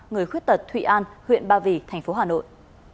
người khuyết tật thụy an huyện ba vì thành phố hà nội